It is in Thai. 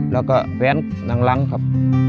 แล้วก็แฟนหนังครับ